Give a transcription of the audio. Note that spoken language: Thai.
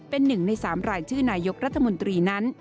เป็น๑ใน๓รายชื่อนายกรัฐมนตรีนั้น